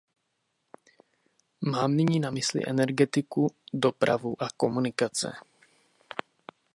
Mám nyní na mysli energetiku, dopravu a komunikace.